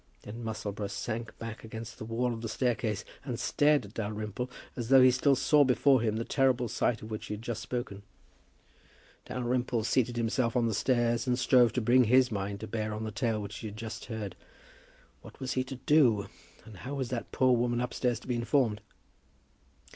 Then Musselboro sank back against the wall of the staircase, and stared at Dalrymple as though he still saw before him the terrible sight of which he had just spoken. Dalrymple seated himself on the stairs and strove to bring his mind to bear on the tale which he had just heard. What was he to do, and how was that poor woman upstairs to be informed?